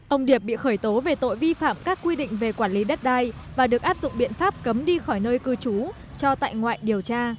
ông điệp bị khởi tố về tội vi phạm các quy định về quản lý đất đai và được áp dụng biện pháp cấm đi khỏi nơi cư trú cho tại ngoại điều tra